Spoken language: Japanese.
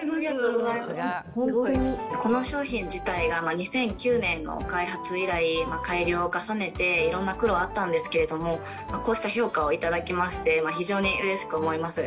この商品自体が２００９年の開発以来、改良を重ねて、いろんな苦労あったんですけど、こうした評価を頂きまして、非常にうれしく思います。